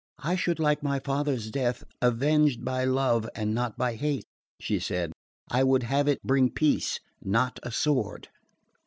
"I should like my father's death avenged by love and not by hate," she said; "I would have it bring peace, not a sword."